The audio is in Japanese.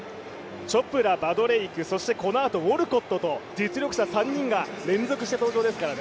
チョプラ、バドレイク、このあとウォルコットと実力者３人が連続して登場ですから。